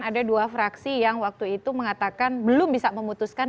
ada dua fraksi yang waktu itu mengatakan belum bisa memutuskan